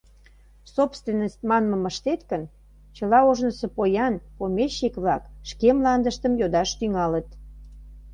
«Собственность» манмым ыштет гын, чыла ожнысо поян, помещик-влак шке мландыштым йодаш тӱҥалыт.